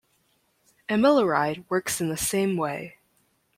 Amiloride works in the same way.